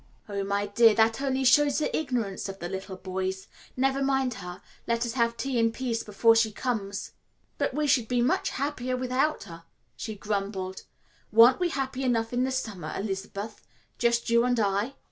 "Oh, my dear, that only shows the ignorance of the little boys. Never mind her. Let us have tea in peace before she comes." "But we should be much happier without her," she grumbled. "Weren't we happy enough in the summer, Elizabeth just you and I?"